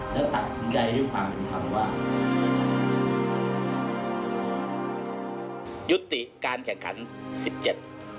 แล้วก็กำหนดทิศทางของวงการฟุตบอลในอนาคต